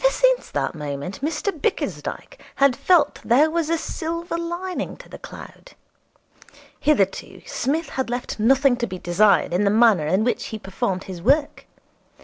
Ever since that moment Mr Bickersdyke had felt that there was a silver lining to the cloud. Hitherto Psmith had left nothing to be desired in the manner in which he performed his work.